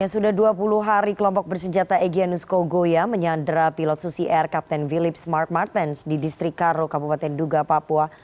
yang sudah dua puluh hari kelompok bersenjata egyenusko goya menyandera pilot susi air kapten willips mark martens di distrik karo kabupaten duga papua